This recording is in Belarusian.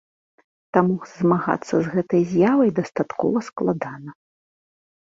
Таму змагацца з гэтай з'явай дастаткова складана.